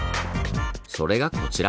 それがこちら！